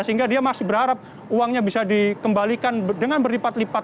sehingga dia masih berharap uangnya bisa dikembalikan dengan berlipat lipat